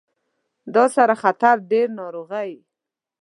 دا سره خطر ډیر ناروغۍ